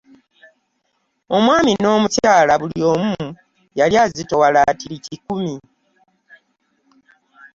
Omwami n’omukyala, buli omu yali azitowa laatiri kikumi.